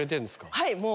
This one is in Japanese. はいもう。